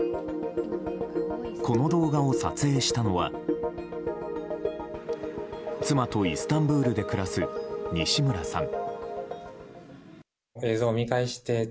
この動画を撮影したのは妻とイスタンブールで暮らす西村さん。